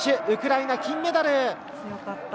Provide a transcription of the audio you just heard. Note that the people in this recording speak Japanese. ウクライナ、金メダル！